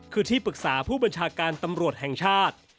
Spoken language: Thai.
คือที่ปรึกษาผู้บัญชาการตำรวจแห่งชาติ